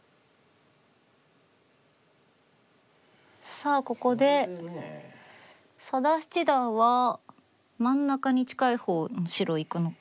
さあここで佐田七段は真ん中に近い方の白をいくのか。